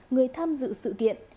người tham dự sự kiện